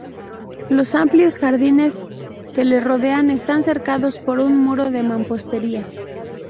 Los amplios jardines que le rodean están cercados por un muro de mampostería.